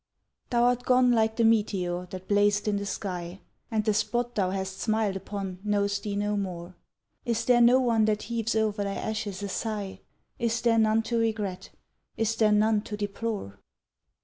Thou'rt gone like the meteor that blazed in the sky, And the spot thou hast smiled upon knows thee no more, Is there no one that heaves o'er thy ashes a sigh? Is there none to regret? Is there none to deplore?